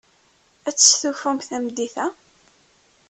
Ad testufum tameddit-a?